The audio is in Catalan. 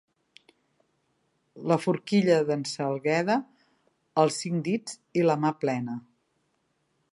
La forquilla d'en Salgueda: els cinc dits i la mà plena.